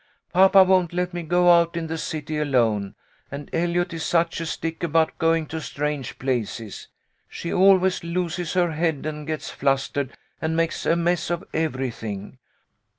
Papa won't let me go out in the city alone, and Eliot is such a stick about going to strange places. She always loses her head and gets flustered and makes a mess of everything.